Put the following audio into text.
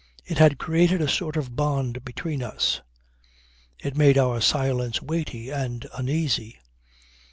It had created a sort of bond between us. It made our silence weighty and uneasy.